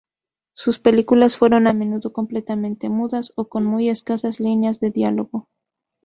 Sus películas fueron a menudo completamente mudas, o con muy escasas líneas de diálogo.